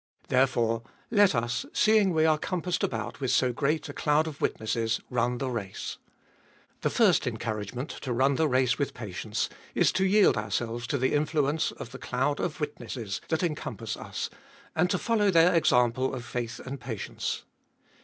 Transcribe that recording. Therefore, let us, Seeing we are compassed about with so great a cloud of witnesses, run the race. The first encourage ment to run the race with patience is to yield ourselves to the influence of the cloud of witnesses that encompass us, and to follow their example of faith and patience.